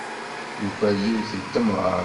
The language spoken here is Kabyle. Yuker yiwet n temɣart.